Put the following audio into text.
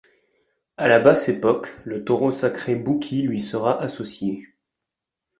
À la Basse époque le taureau sacré Boukhis lui sera associé.